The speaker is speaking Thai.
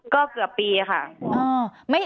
ก็เกือบปีค่ะ